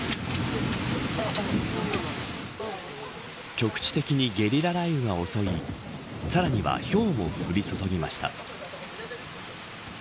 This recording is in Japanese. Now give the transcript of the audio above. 局地的にゲリラ雷雨が襲いさらにはひょうも降り注ぎました。